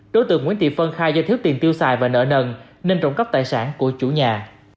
đối tượng nguyễn thị phân khai do thiếu tiền tiêu xài và nợ nần nên trọng cấp tài sản của chú nhà